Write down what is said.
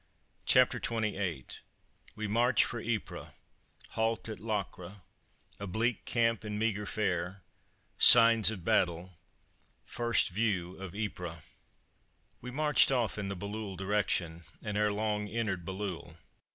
CHAPTER XXVIII WE MARCH FOR YPRES HALT AT LOCRE A BLEAK CAMP AND MEAGRE FARE SIGNS OF BATTLE FIRST VIEW OF YPRES We marched off in the Bailleul direction, and ere long entered Bailleul.